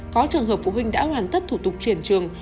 có trường hợp phụ huynh đã hoàn tất thủ tục chuyển trường